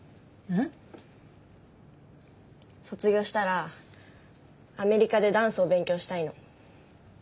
うん？卒業したらアメリカでダンスを勉強したいの。